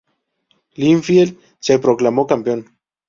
Linfield se proclamó campeón.